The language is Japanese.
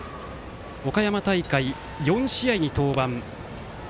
岡山大会、４試合に登板。